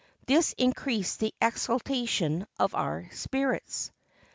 This increased the exaltation of our spirits.